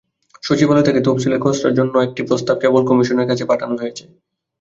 সচিবালয় থেকে তফসিলের খসড়ার জন্য একটি প্রস্তাব কেবল কমিশনের কাছে পাঠানো হয়েছে।